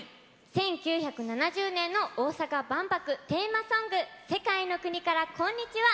１９７０年の大阪万博テーマソング「世界の国からこんにちは」。